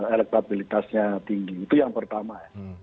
elektabilitasnya tinggi itu yang pertama ya